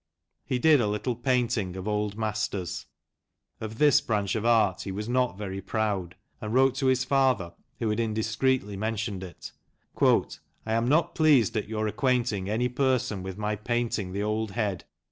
He did a little painting of "old masters." Of this branch of art he was not very proud, and wrote to his father, who had indiscreetly mentioned it: —" I am not pleased at your acquainting any person with my painting the old head.